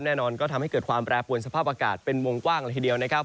แน่นอนก็ทำให้เกิดความแปรปวนสภาพอากาศเป็นวงกว้างเลยทีเดียวนะครับ